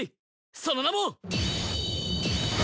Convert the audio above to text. その名も。